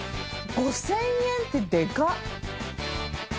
５０００円ってでかっ！